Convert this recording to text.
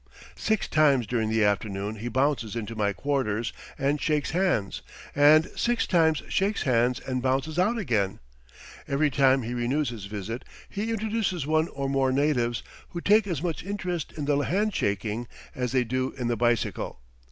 Six times during the afternoon he bounces into my quarters and shakes hands, and six times shakes hands and bounces out again. Every time he renews his visit he introduces one or more natives, who take as much interest in the hand shaking as they do in the bicycle.